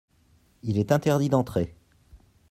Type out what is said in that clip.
Il est interdit d'entrer.